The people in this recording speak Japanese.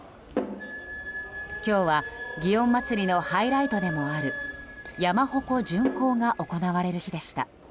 今日は祇園祭のハイライトでもある山鉾巡行が行われる日でした。